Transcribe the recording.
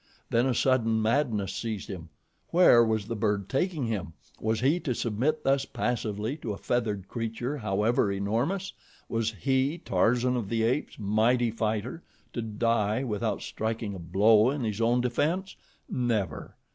Then a sudden madness seized him. Where was the bird taking him? Was he to submit thus passively to a feathered creature however enormous? Was he, Tarzan of the Apes, mighty fighter, to die without striking a blow in his own defense? Never!